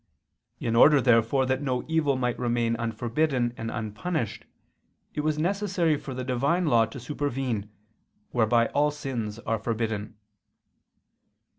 In order, therefore, that no evil might remain unforbidden and unpunished, it was necessary for the Divine law to supervene, whereby all sins are forbidden.